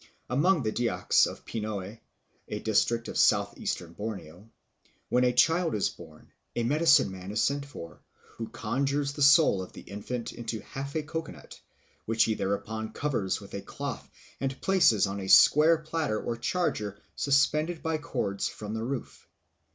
Among the Dyaks of Pinoeh, a district of South eastern Borneo, when a child is born, a medicine man is sent for, who conjures the soul of the infant into half a coco nut, which he thereupon covers with a cloth and places on a square platter or charger suspended by cords from the roof.